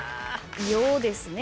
「よ」ですね。